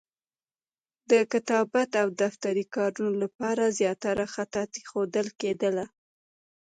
د کتابت او دفتري کارونو لپاره زیاتره خطاطي ښودل کېدله.